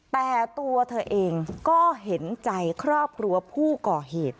แต่ตัวเธอเองก็เห็นใจครอบครัวผู้ก่อเหตุ